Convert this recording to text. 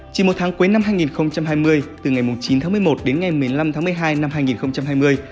chỉ một tháng cuối năm hai nghìn hai mươi từ ngày chín tháng một mươi một đến ngày một mươi năm tháng một mươi hai năm hai nghìn hai mươi